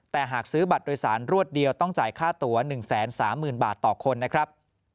แต่หากซื้อบัตรโดยสารรวดเดียวต้องจ่ายค่าตัว๑๓๐๐๐บาทต่อคนนะครับ